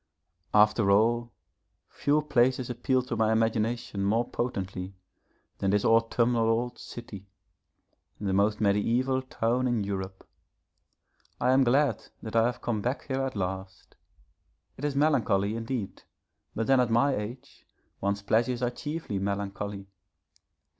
_ After all, few places appeal to my imagination more potently than this autumnal old city the most mediæval town in Europe. I am glad that I have come back here at last. It is melancholy indeed, but then at my age one's pleasures are chiefly melancholy.